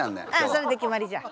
それで決まりじゃ。